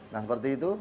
nah seperti itu